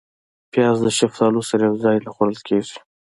پیاز د شفتالو سره یو ځای نه خوړل کېږي